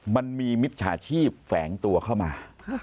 มิจฉาชีพแฝงตัวเข้ามา